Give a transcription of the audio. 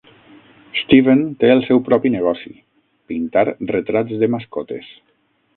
Steven té el seu propi negoci: pintar retrats de mascotes.